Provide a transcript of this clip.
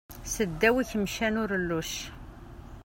Seddaw ikemcan urelluc.